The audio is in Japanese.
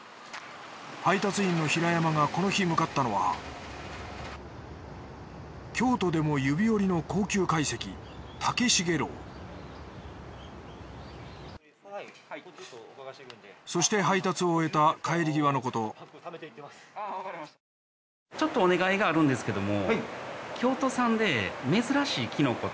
配達員の平山がこの日向かったのは京都でも指折りの高級懐石竹茂楼そして配達を終えた帰り際のことちょっとお願いがあるんですけども。